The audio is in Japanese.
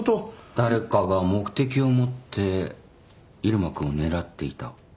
誰かが目的を持って入間君を狙っていた。